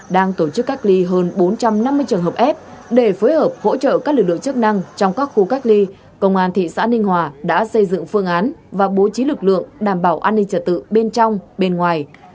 trong năm mươi trường hợp ép để phối hợp hỗ trợ các lực lượng chức năng trong các khu cách ly công an thị xã ninh hòa đã xây dựng phương án và bố trí lực lượng đảm bảo an ninh trật tự bên trong bên ngoài